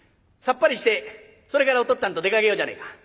さっぱりしてそれからお父っつぁんと出かけようじゃねえか。